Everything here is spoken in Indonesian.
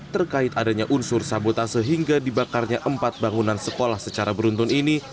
terkait adanya unsur sabotase hingga dibakarnya empat bangunan sekolah secara beruntun ini